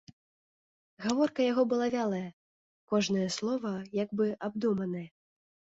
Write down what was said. Гаворка яго была вялая, кожнае слова як бы абдуманае.